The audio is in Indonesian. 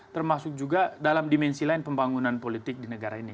termasuk juga dalam dimensi lain pembangunan politik di negara ini